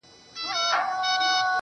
او په وجود كي مي~